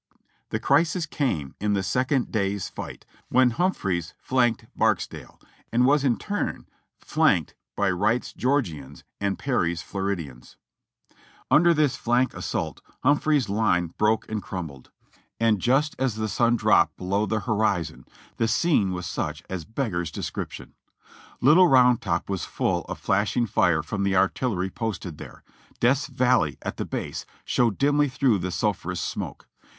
The crisis came in the second day's fight when Humphreys flanked Barksdale, and was in turn flanked by Wright's Geor gians and Perry's Floridians. Under this flank assault Hum phreys's line broke and crumbled : and just as the sun dropped 406 JOHNNY REB AND BILI.Y YANK below the horizon the scene was such as beggars description. Little Round Top was full of flashing fire from the artillery posted there ; Death's Valley, at the base, showed dimly through the sulphurous smoke.